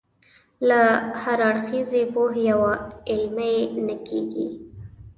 له هراړخیزې پوهې او علمه یې نه کېږي.